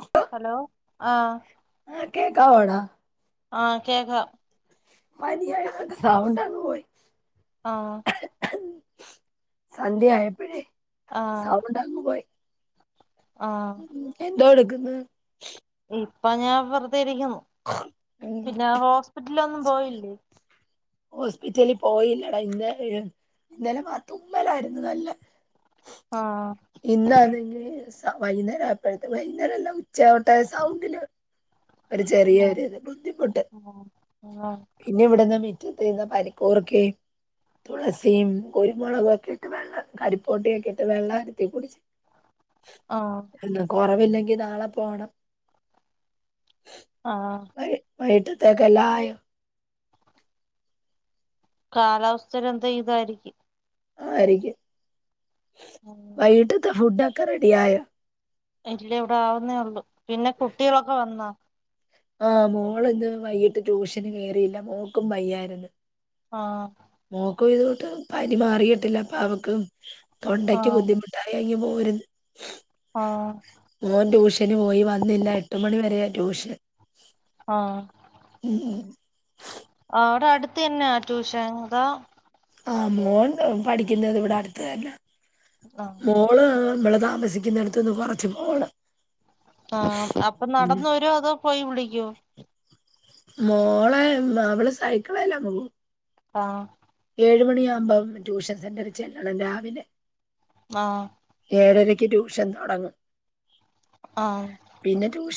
[unintelligible] [unintelligible] [unintelligible] [unintelligible] [unintelligible] [unintelligible] ആഹ് [unintelligible] ആഹ് [unintelligible] [unintelligible] [unintelligible] ഉം [unintelligible] [unintelligible] ആഹ് ഇന്നാനെങ്കി സ് [unintelligible] വൈകുന്നേരായപ്പോഴത്തെ വൈകുന്നേരല്ലാ ഉച്ചയാവട്ടെ സൗണ്ടില് ഒരു ചെറിയൊരിത് ബുദ്ധിമുട്ട് ആഹ് പിന്നെ ഇവിടന്നാ മു റ്റത്ത് നിന്ന പനിക്കൂറക്കയും തുളസിയും കുരുമുളകുവൊക്കെയിട്ട് വെള്ള കരിപ്പോട്ടിയൊക്കെ ഇട്ട് വെള്ളനത്തി കുടിച്ച് ആഹ് എന്ന കുറവില്ലെ ങ്കി നാളെ പോണം ആഹ തെകലായോ കാലാവസ്ഥയിലെന്തോ ഇതായിരിക്കും ആയിരിക്കും [unintelligible] ഉം വൈകട്ടത്തെ ഫുഡക്ക ക്കറെഡിയായ ഇല്ല ഇവിടെ ആവുന്നേ ഉള്ളു പിന്നെ കുട്ടികളൊക്ക വന്നാ ആഹ് മോളിന്ന് വൈകിട്ട് ട്യൂഷന് കേറിയില്ല മോക്കും വയ്യായിരുന്നു ആ മോക്കു ഇതൊട്ട് പനി മാറിയിട്ടില്ല അപ്പ അവക്കും തൊണ്ടക്ക് ആഹ് ബുദ്ധിമുട്ട എനിക്ക് മു ഒരുന്ന് ആഹ് മോൻ ട്യൂഷ ഷന് പോയി വന്നില്ല എട്ടുമണിവരെയാ ട്യൂഷൻ ആ ഉം. അവിടെ അടുത്ത്ന്നെയാ ട്യൂഷൻ അ ആ മോൻ പഠിക്കുന്നത് ഇവിടെ അടുത്ത് തന്നാ ആഹ് മോള് വ്ളതാ സിക്കുന്നടത്തെന്ന് കൊറച്ച് പോണം ആ അപ്പൊ ഉം. നടന്ന് വരോ അതോ പോയി വിളി ക്ക്യോ മോളെ അവള് സൈക്കെളെല്ലാം പോകും ആ ഏഴു മണിയാമ്പോ ട്യൂഷൻ സെന്ററി ചെല്ലണം രാവിലെ ആ ഏഴരയ്ക്ക് ട്യൂഷൻ തൊടങ്ങും ആ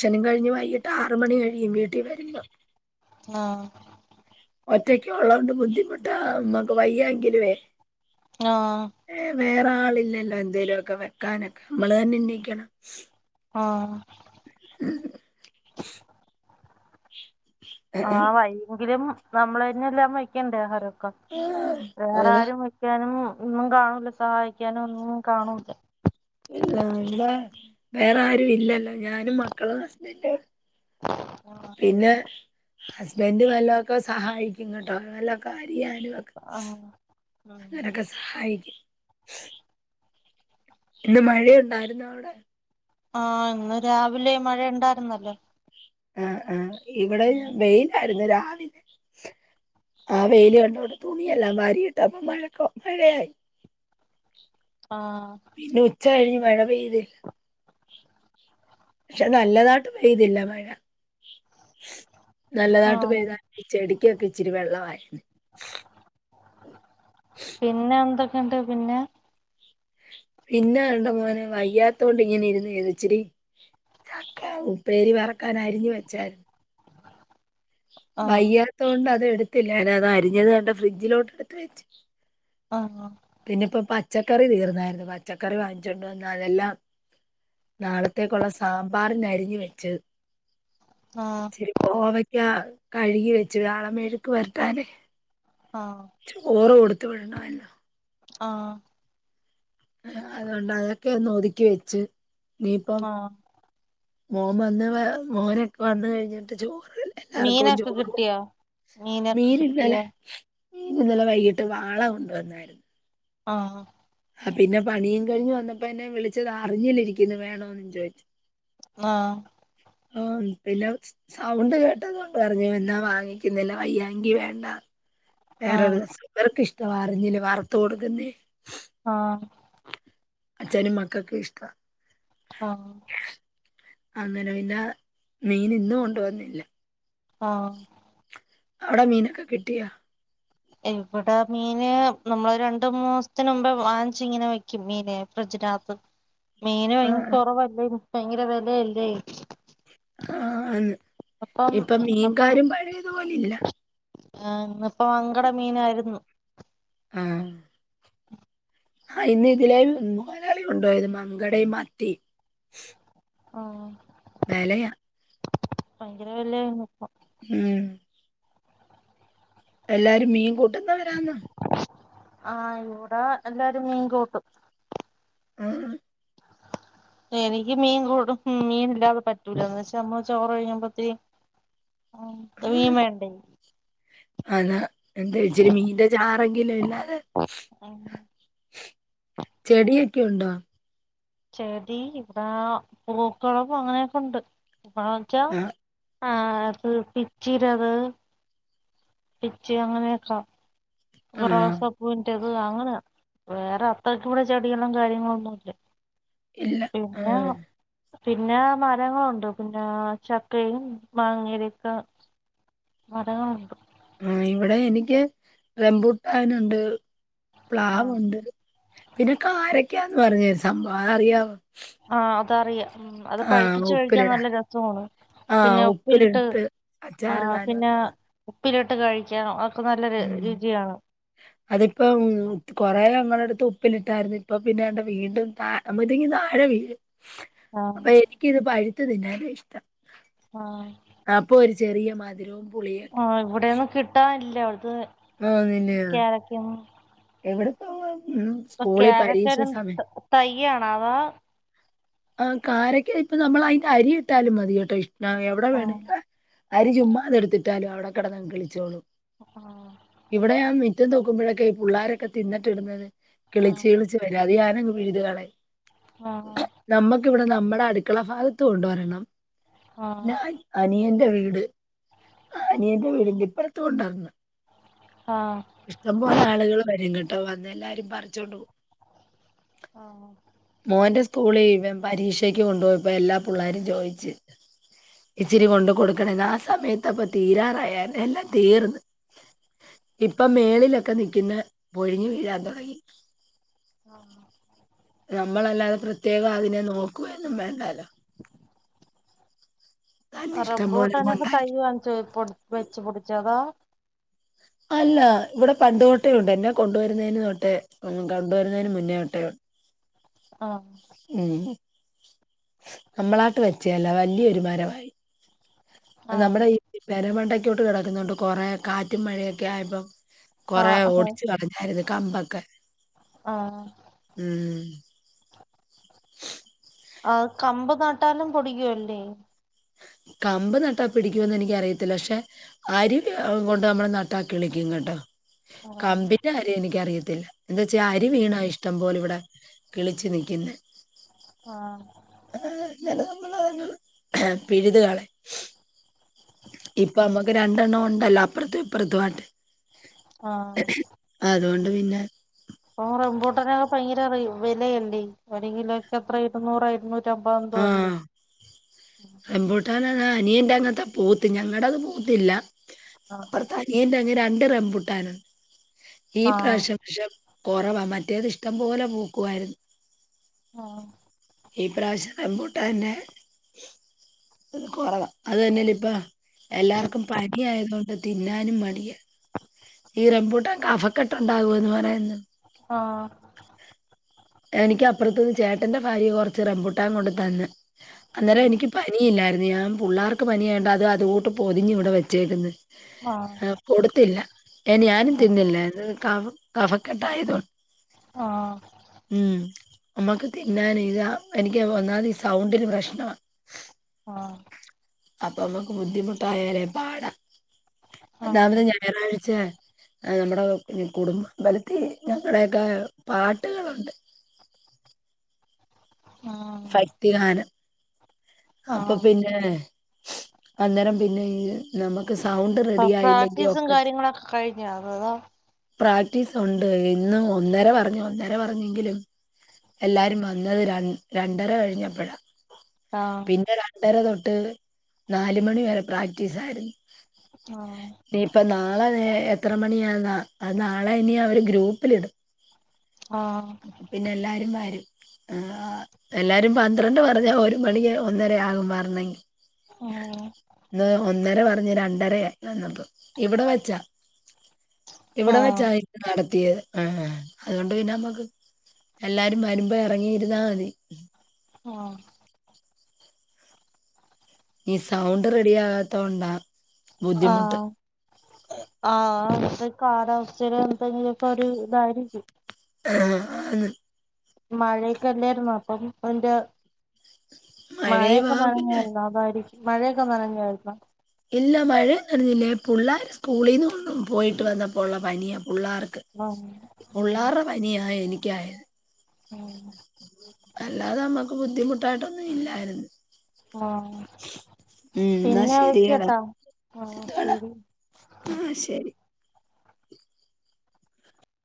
ഷനും കഴിഞ്ഞ് വൈകിട്ട് ആറ് മണി കഴിയും വീട്ടിൽ വരുമ്പോ ആ ഒറ്റയ്ക്ക ഉള്ളോണ്ട് ബുദ്ധിമുട്ടാ മ്മക്ക് വയ്യായിങ്കിലുവേ ആ വേറെ ആളില്ലല്ലോ എന്തേലൊക്കെ വെക്കാനൊക്കെ നമ്മള് തന്നെ ണീക്കണം ആ ഉം ആ ഭയങ്കരം നമ്മളന്നെല്ലാം വയ്ക്കണ്ടേ ഹരം വേറെ അതാ ആരും വയ്ക്കാനും ഒന്നും കാണൂല സഹായിക്കാനൊന്നും കാണൂല ഇല്ല എന്താ വേറെ ആരുും ഇല്ലല്ലോ ഞാനും മക്കളും ഹസ്ബൻഡും പിന്നെ ഹസ്ബൻഡ് വല്ലൊക്കെ സഹായിക്കും കേട്ടോ വല്ലൊക്കെ ചെയ്യാനും ഒക്കെ ആ ഉം. അങ്ങനൊക്കെ സഹായിക്കും [inaudible] ഇന്ന് മഴയുണ്ടായിരുന്നോ അവടെ ആ ഇന്ന് രാവിലെ മഴണ്ടായിരുന്നു ആ ആ ഇവിടെ വെയിലായിരുന്നു ആ വെയില് കണ്ടോണ്ട് തുണിയെല്ലാം വാരിയിട്ട അപ്പൊ മഴക്ക മഴയായി ആ പിന്നെ ഉച്ച കഴിഞ്ഞ് മഴ പെയ്തില്ല പക്ഷെ നല്ലതായിട്ട് പെയ്തില്ല മഴ ആ നല്ലതായിട്ട് പെയ്താ ചെടിക്കൊക്കെ ഇച്ചിരി വെള്ളമായി പിന്നെ എന്തൊ കണ്ട് പിന്നെ പിന്നെ വണ്ട മോനെ വയ്യാത്ത കൊണ്ട് ഇങ്ങനെ ഇരുന്ന് ഇച്ചിരി ചക്ക ഉപ്പേരി വറക്കാൻ അരിഞ്ഞു വെച്ചായിരുന്നു ആ വയ്യാത്ത കൊണ്ട് അത് എടു ത്തില്ല അത് അരിഞ്ഞത് കണ്ട് ഫ്രിഡ്ജിലോട്ട് എടുത്ത് വെച്ചു ആഹ് പിന്നെപ്പം പച്ചക്കറി തീർന്നായിര്ന്നു പച്ചക്കറി വാങ്ങിച്ചോണ്ട് വന്നാ അതെല്ലാം നാളത്തേക്കുള്ള സാമ്പാറിന്നരിഞ് വെച്ച് ആ ചിരിക്കോമ [unintelligible] യാഹ് കഴുകി വെച്ച് വാണം മെഴു ക്ക്‌ പെര്റ്റാന്നെ ആ ചോറ് കൊട് ത്ത് വിടൊണോ ലൊ ആഹ് ആഹ് അതോണ്ട് അതൊക്കെ ഒതുക്കി വെച്ച് നീപം ആ മോൻ വന്ന് മോനൊക്കെ വന്ന് കെഴിഞ്ഞിട്ട് ചോ മീനൊക്കെ കിട്ട്യെ മീനൊക്കെ മീൻ ഇന്നലെ കിട്ടിയാ ഇന്നലെ വൈകീട്ട് വാള കൊണ്ട് വന്നാര്ന്നു ആഹ് ആ ഹ് പിന്നെ പണീം കഴിഞ്ഞ് വന്ന പ്പെന്നെ വിളിച്ചത് അറിഞ്ഞില്ല ഇരിക്കണ് വേണോന്ന് ചോയിച്ച് ആഹ് ആഹ് പിന്നെ സൗണ്ട് കോട്ടതോണ്ട് പറ്ഞ്ഞ് നീയ് എന്താ വാങ്ങിക്കുന്നേ എല്ലാ വയ്യങ്കി വേണ്ടാ ആ വേറൊരുസം വെറ്ക്കിഷ് തുവാ അറിഞ്ഞില്ല വറുത്തു കൊടുക്കുന്നേ ആഹ് അച്ഛനും മക്കക്കും ഇഷ്‌ടവാ ആഹ് അങ്ങനപിന്ന മീന് ഇന്ന് കൊണ്ടുവന്നില്ല ആ അവിട മീനൊക്ക കിട്ടിയ ഇവിട മീന് നമ്മള് രണ്ട് മൂന്നുസ്ടിനു മുന്നേ വാങ്ങ്ച്ചിങ്ങനെ വെയ്ക്കും മീന് ഫ്രിഡ്ജിനാത്തു മീന് ഭയ് ആഹ് കൊറവല്ലേ ഭങ്കര വെലയല്ലേ ആന്ന് അപ്പം ഇപ്പം ഇന്നപ്പം മീൻകാരും പയേതു പോലെ ഇല്ല ആഹ് ഇന്നിപ്പം വങ്കട മീനാരുന്നു ആഹ് ഹാ ഇന്നിതിലെ മൊയ്ലാളി കൊണ്ടോയത് മങ്കടേം മത്തിം. ഓ വെലയാ ഭൈങ്കര വെലയാണിപ്പം. ഉം എല്ലാരും മീൻ കൂ ട്ടുന്നവരാന്നോ? ആ ഇവ്ട എല്ലാരും മീൻ കൂട്ടും [unintelligible] എനിക്ക് മീൻ കൂട്ടും. മീനില്ലാതെ പറ്റൂലാന്നുവച്ചാ. നമ്മള് ചോറയിഞ്ഞമ്പത്തേനും ത്ത് മീൻ വേണ്ടേ. അതാ എന്തേച്ചിരി മീനിന്റെ ചാറെങ്കിലുയില്ലാതെ- ചെടിയൊക്കെയുണ്ടോ? ചെടീ ഇവിടാ പൂക്കള് അങ്ങനക്കെ ഉണ്ട്- [unintelligible] ആഹ് ആ പ്‌ പിച്ചീരവ്- പിച്ചി അങ്ങനെയക്ക- ഇപ്പ ആഹ് റോസാ പൂന്റെത്- പൂ അങ്ങന വേറെ അത്രക്കുവിട ചെടികളും കാര്യങ്ങളൊന്നും ഇല്ലേ- ഇല്ല ആഹ് - പിന്നാ മരങ്ങളൊണ്ട് പിന്നാ ചക്കയും മങ്ങേടക്കെ മരങ്ങളൊണ്ട്. - മ് ഇവിടെ എനിക്ക് റൂംബൂട്ടാനൊണ്ട് - ആ പ്ലാവോണ്ട് പിന്നെ കാരക് ക്കാന്നു പറഞ്ഞെഒരു സംഭം അതറിയാവോ? ആ അതറിയാം അത് ആഹ് പഴുപ്പിച്ച് കഴിക്കാൻ ഉപ്പിലിടാൻ നല്ലരസവാണ് പിന്നെ ആഹ് ഉപ്പിലിട്ടത് ഉപ്പിലിട്ട് ആ അച്ചാറിടാനും പിന്നെ ഒക്കെ ഉപ്പിലിട്ട് കഴിക്കാനോ ആർ ഉം അതിപ്പം കൊറേ ഞങ്ങടടുത് ഉപ്പിലിട്ടായിരുന്നു ഇപ്പപിന്നെ ആണ്ടേ വീണ്ടും താ അപ്പത്തേക്കും താഴെ വീഴും. ആ പ്പ എനിക്കൊരു പഴ് ത്ത്തിന്നാനാ ഇഷ്ട്ടം ആഹ് ചെറിയ മധുരോം ആ ഇവിടെയോന്നും കിട്ടാനിൽ [unintelligible] [unintelligible] കാരക്കയൊന്നും എവിടെ പോവാ? കാരക്കേടെ തയ്യാണോ? അവാ ആ കാരക്ക നമ്മളിപ്പയിന്റെ അരി ഇട്ടാലും മതീയട്ടൊ ആ [unintelligible] അരി ചുമ്മാതെടുത്തിട്ടാലും അവടെ കെടന്നങ് കിളിച്ചോളും. ഇവടെ ഞാൻ മിറ്റ് മുറ്റം തൂക്കുമ്പഴക്കെ ഈ പിള്ളേരൊക്കെ തിന്നിട്ടിടുന്നത് ആ കിളിച്ച് കിളിച്ച് വരും അത്ഞാൻ പിഴിതുകളയും. ആ നമ്മക്കിവിടെ നമ്മടെ അടുക്കള ഭാ ഗത്തും ഉണ്ട് ഒരെണ്ണം. ആഹ് ഞാൻ അനിയന്റെ വീട്ട് അനിയന്റെ വീടിന്റെ ഇപ്രത്തും ഉണ്ടൊന്ന്‌. ആഹ് ഇഷ്ടംപോലെ ആളുകള് വരും കെട്ട് വന്നെല്ലാരും പറിച്ചോണ്ടോവും. ആ ആ മോന്റെ സ്കൂളി ഇവൻ പരീക്ഷക്ക് കൊണ്ടോയപ്പോ എല്ലാപുള്ളേരും ചോയിച്ച് ഇച്ചിരി കൊണ്ടകൊടുക്കണെന്നു ആ സമയത്ത് അപ്പോ എല്ലാം തീരാറായായിരുന്നു എല്ലാം തീർന്ന് ഇപ്പം മേളിലൊക്കെ നിക്കുന്നെ പൊഴിഞ്ഞ് വീഴാൻ തൊടങ്ങി. ആ ആ നമ്മളല്ലാതെ പ്രത്യേകം അതിനെ നോക്കുക ഒന്നും വേണ്ടാലോ റംബൂട്ടാനൊക്കെ കൊണ്ടായി തൈ വാങ്ങിച്ച് വെച്ച് പിടിച്ചതോ ഇല്ല ഇവിടെ പണ്ട് തൊട്ടേ ഉണ്ട് എന്നെ കൊണ്ടുവരുന്നതിന് തൊട്ടെ കൊണ്ടുവരുന്നതിന് മുന്നേ തൊട്ടേ ആ ഉം നമ്മളാട്ട് വെച്ചയല്ല വലിയൊരു മരമായി ആഹ് നമ്മുടെ ഈ പെര മണ്ടയ്ക്കോട്ട് കിടക്കുന്നോണ്ട് കുറെ കാറ്റും മഴയൊക്കെ ആയപ്പം കൊറെ ആഹ് ഓടിച്ച് കളഞ്ഞായിരുന്നു കമ്പൊക്കെ ആഹ് ഉം ആ കമ്പ് നട്ടാലും പൊടിക്കുവല്ലേ കമ്പ് നട്ടാ പിടിക്കുമെന്ന് എനിക്ക് അറിയത്തില്ല പക്ഷെ അരി കൊണ്ട് നമ്മള് നട്ടാ കിളിക്കും കേട്ടോ ആഹ് കമ്പിൻ്റെ കാര്യം എനിക്കറിയത്തില്ല ഇല്ല എന്ത് വച്ചാ അരി വീണാ ഇഷ്ടം പോലെ ഇവിട് ആഹ് കിളിച്ചു നിക്കുന്നെ ആഹ് പിഴ്തുകളയും ഇപ്പ നമ്മക്ക് രണ്ടെണ്ണം ഒണ്ടല്ലോ അപ്പുറത്തും ഇപ്പുറത്തുമായിട്ട് ആഹ് അതുകൊണ്ട് പിന്നെ ഇപ്പ റമ്പൂട്ടനൊക്കെ ഭയങ്കര റെയ് വിലയല്ലേ ഒരു കിലൊയ്ക്ക് എത്രയാ ഇരുന്നൂറോ ഇരുന്നൂ റ്റമ്പതോ എന്തോ അല്ലേ റമ്പൂട്ടാൻ അതാ അനിയന്റെ അങ്ങത്തെ പൂത്ത് ഞങ്ങടത് പൂത്തില്ല ആഹ് അപ്പറത്ത് അനിയൻ്റെ അങ്ങ് രണ്ട് റംമ്പുട്ടാനും ഈ ആഹ് പ്രാവശ്യം [unintelligible] കൊറവാ മറ്റേത് ഇഷ്ടം പോലെ പൂക്കുവായിരുന്നു ആഹ് ഈ പ്രാവശ്യം റംമ്പൂട്ടൻ്റെ കൊറവാ അത് തന്നെയല്ല ഇപ്പൊ എല്ലാർക്കും പനി ആയതു കൊണ്ട് തിന്നാനും മടിയാ ഈ റംമ്പൂട്ടൻ കഫക്കെട്ട് ഒണ്ടാകുമെന്ന് പറയുന്നു അ ആ എനിക്ക് അപ്പർത്ത്ന്ന് ചേട്ടന്റെ ഭാര്യ കൊർച്ച് റംമ്പുട്ടാൻ കൊണ്ട് തന്ന് അന്നേരം എനിക്ക് പനിയില്ലായി ഞാൻ പുള്ളാർക്ക് പനിയായോണ്ട് അത് അതുകൂട്ട് പൊതിഞ്ഞ് ഇവിടെ വെച്ചേക്ക്ന്ന് ആഹ് ആ കൊടുത്തില്ല ഞാനും ആഹ് തിന്നില്ലാരുന്ന്‌ കഫ് കഫകെട്ടായത് കൊണ്ട് ആഹ് ഉം നമ്മക്ക് തിന്നാനെ അ എനിക്ക് ഒന്നാമത് ഈ സൗണ്ടിന് പ്രശ്നമുണ്ട് ഉം അപ്പമ്മക്ക് ബുദ്ധിമുട്ടയാലേ പാട ആഹ് ഒന്നാമത്തെ ഞാറ പച്ചേ നമ്മുടെ കുടുംബബലത്തി ഞങ്ങടെയൊക്കെ പാട്ടുകളുണ്ട് ആഹ് ഭക്തിഗാനം അപ്പൊ ആഹ് പിന്നെ അന്നേരം പിന്നെ ഈ നമുക്ക് സൗണ്ട് ഇപ്പൊ റെഡി ആയില്ലെങ്കി പ്രാക്ടീസും ഒക്കത്തി കാര്യങ്ങളൊക്കെ കഴിഞ്ഞ അതാണ് പ്രാക്ടീസ് ഉണ്ട് ഇന്ന് ഒന്നര പറഞ്ഞു ഒന്നര പറഞ്ഞെങ്കിലും എല്ലാരും വന്നത് ര രണ്ടര കഴിഞ്ഞപ്പോഴാ ആഹ് പിന്നെ രണ്ടര തൊ ട്ട് നാലുമണി വരെ പ്രാക്ടീസ് ആയിരുന്നു ആ ഇനിയിപ്പ നാളെ എത്ര മണിയാന്ന അത് നാളെ ഇനി അവര് ഗ്രൂപ്പിലിടും അപ്പ പിന്നെ എല്ലാരും വരും ആ എല്ലാരും പന്ത്രണ്ട് പറഞ്ഞാ ഒരു മണി ആ ഒന്നര ആകും വരണേങ്കി ആഹ് ഇന്ന് ഒന്നര പ പറഞ്ഞു രണ്ടര വന്നപ്പ ഇവിടെ വെച്ചാ ഇവിടെ ആഹ് വെച്ചായിത് നട തിയത് അതുകൊണ്ട് പിന്നെ നമ്മക്ക് എല്ലാരും വരുമ്പ എറങ്ങിയിരുന്നാ മതി ആ ഈ സൗണ്ട് റെഡി ആകത്ത കൊണ്ടാ ബുദ്ധിമുട്ട് ആ അത്തെ കാലാവസ്ഥയില എന്തങ്കിലു ഒക്കെ ഒരു ഇതായിരിക്കും ആ അന്ന് മഴയൊക്കല്ലായിരുന്നു അപ്പം അതിന്റാ മഴയൊക്കെ മഴയുവാ പിന്നെ പറഞ്ഞഅതായിരിക്കും മഴയൊക്കെ നനഞ്ഞാരുന്ന ഇല്ല മഴെന്നും നനഞ്ഞില്ല ഈപുള്ളാര് സ്കൂളിന്ന് വന്ന പോയിട്ട് വന്നപ്പോള്ള പനിയാ പുള്ളാർക്ക് ആഹ് ഉം പുള്ളാർട പനിയാ എനിക്ക്. [unintelligible] ഉം അല്ലാതെ അമ്മ ക്ക് ബുദ്ധിമുട്ടായിട്ടൊന്നും ഇല്ലായിരുന്നു. ആഹ് ഉം എന്നാ പിന്നെ ശരിയടാ വയ്ക്കാട്ടെ ആഹ് ശരി. ആ ശരി.